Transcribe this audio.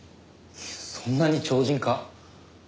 そんなに超人か？